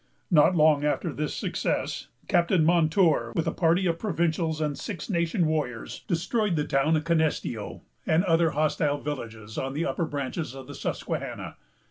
Not long after this success, Captain Montour, with a party of provincials and Six Nation warriors, destroyed the town of Kanestio, and other hostile villages, on the upper branches of the Susquehanna.